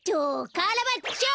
カラバッチョ！